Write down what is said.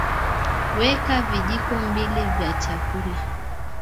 weka vijiko mbili vya chakula